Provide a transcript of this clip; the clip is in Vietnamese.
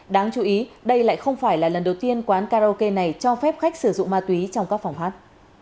đáng chú ý đây lại không phải là lần đầu tiên quán karaoke này cho phép khách sử dụng ma túy trong các phòng hát